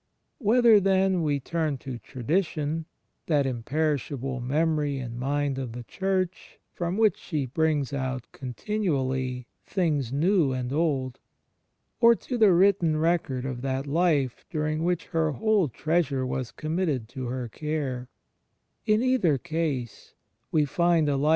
Whether then, we tiim to Tradition — that imperishable memory and mind of the Church from which she brings out con tinually "things new and old"* — or to the written record of that Life during which her whole treasure was committed to her care; in either case we find alike ^ Heb.